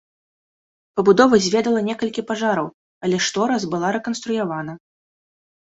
Пабудова зведала некалькі пажараў, але штораз была рэканструявана.